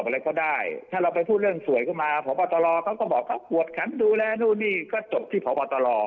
เขาก็บอกว่าหัวขันดูแลนู่นนี่ก็จบที่พปต